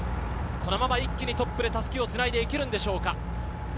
このまま一気にトップで襷をつないでいけるでしょうか。